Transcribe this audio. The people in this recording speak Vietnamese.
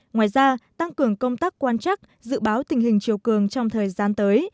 ngoài ra tăng cường công tác quan trắc dự báo tình hình triều cường trong thời gian tới